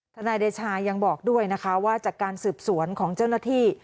นายเดชายังบอกด้วยนะคะว่าจากการสืบสวนของเจ้าหน้าที่